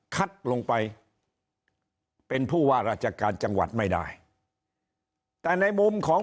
ลงไปเป็นผู้ว่าราชการจังหวัดไม่ได้แต่ในมุมของ